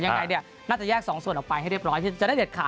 ยังไงเนี่ยน่าจะแยก๒ส่วนออกไปให้เรียบร้อยที่จะได้เด็ดขาด